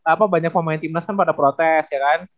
apa banyak pemain timnas kan pada protes ya kan